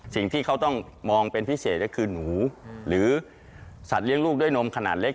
สิ่งที่เขาต้องมองเป็นพิเศษก็คือหนูหรือสัตว์เลี้ยงลูกด้วยนมขนาดเล็ก